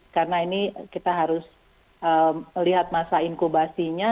karena ini kita harus melihat masa inkubasinya